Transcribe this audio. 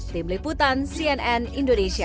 tim liputan cnn indonesia